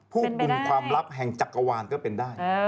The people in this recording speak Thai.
ผู้กลุ่มความลับแห่งจักรวาลก็เป็นได้